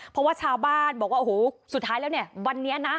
เพราะว่าชาวบ้านบอกว่าโอ้โหสุดท้ายแล้วเนี่ยวันนี้นะ